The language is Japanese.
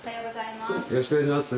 よろしくお願いします。